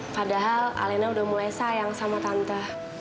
padahal alena udah mulai sayang sama tante